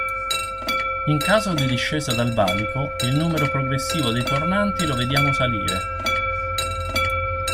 In caso di discesa dal valico, il numero progressivo dei tornanti lo vediamo salire.